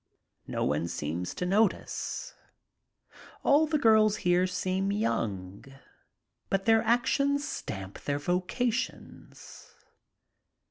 No one seems to notice. All the girls here seem young, but their actions stamp their vocations.